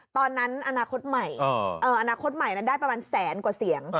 ตอนนั้นอนาคตใหม่ได้ประมาณแสนกว่าเสียง